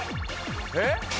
えっ？